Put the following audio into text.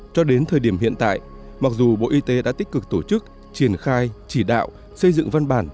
cho đến thời điểm hiện tại mặc dù bộ y tế đã tích cực tổ chức triển khai chỉ đạo xây dựng văn bản